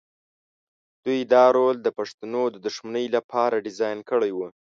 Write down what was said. دوی دا رول د پښتنو د دښمنۍ لپاره ډیزاین کړی و.